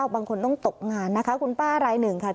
บางคนต้องตกงานนะคะคุณป้ารายหนึ่งค่ะ